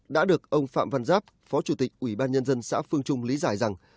đã được ông phạm văn giáp phó chủ tịch ủy ban nhân dân xã phương trung lý giải rằng